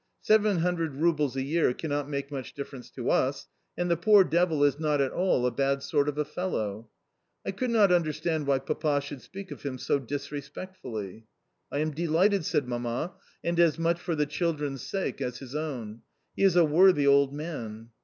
Seven hundred roubles a year cannot make much difference to us, and the poor devil is not at all a bad sort of a fellow." I could not understand why Papa should speak of him so disrespectfully. "I am delighted," said Mamma, "and as much for the children's sake as his own. He is a worthy old man."